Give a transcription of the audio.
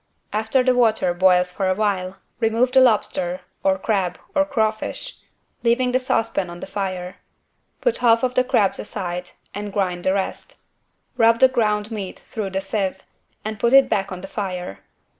After the water boils for a while, remove the lobster (or crab, or craw fish) leaving the saucepan on the fire. Put half of the crabs aside, and grind the rest. Rub the ground meat through the sieve and put it back on the fire.